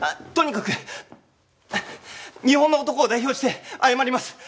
とにかく日本の男を代表して謝ります。